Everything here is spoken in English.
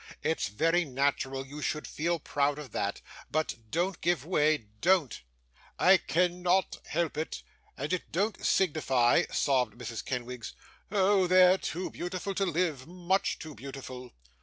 it's very natural you should feel proud of that; but don't give way, don't.' 'I can not help it, and it don't signify,' sobbed Mrs. Kenwigs; 'oh! they're too beautiful to live, much too beautiful!